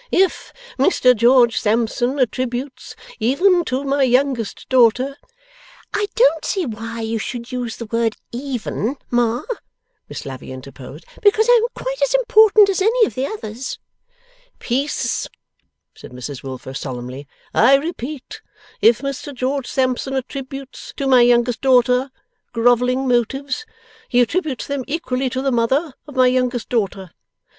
If Mr George Sampson attributes, even to my youngest daughter ' ['I don't see why you should use the word "even", Ma,' Miss Lavvy interposed, 'because I am quite as important as any of the others.') 'Peace!' said Mrs Wilfer, solemnly. 'I repeat, if Mr George Sampson attributes, to my youngest daughter, grovelling motives, he attributes them equally to the mother of my youngest daughter.